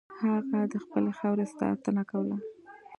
هغه د خپلې خاورې ساتنه کوله.